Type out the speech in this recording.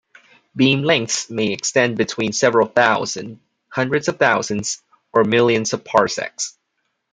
Beam lengths may extend between several thousand, hundreds of thousands or millions of parsecs.